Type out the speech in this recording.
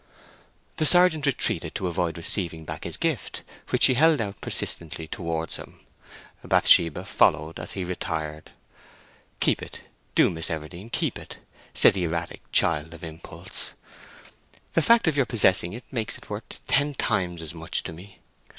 The sergeant retreated to avoid receiving back his gift, which she held out persistently towards him. Bathsheba followed as he retired. "Keep it—do, Miss Everdene—keep it!" said the erratic child of impulse. "The fact of your possessing it makes it worth ten times as much to me.